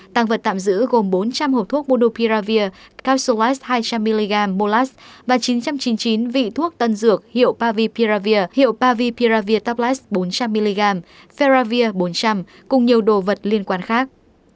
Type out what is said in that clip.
tàng vật tạm giữ gồm bốn trăm linh hộp thuốc monopiravir capsulis hai trăm linh mg molas và chín trăm chín mươi chín vị thuốc tân dược hiệu pavipiravir hiệu pavipiravir tablas bốn trăm linh mg feravir bốn trăm linh cùng nhiều đồ vật liên quan khác